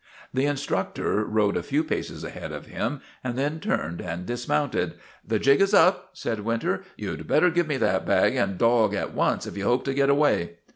The instructor rode a few paces ahead of him and then turned and dismounted. "The jig is up," said Winter. "You'd better give me that bag and dog at once if you hope to get away."